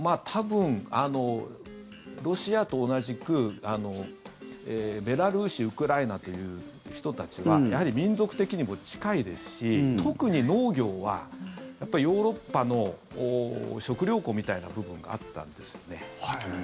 多分、ロシアと同じくベラルーシ、ウクライナという人たちはやはり民族的にも近いですし特に農業はヨーロッパの食糧庫みたいな部分があったんですよね。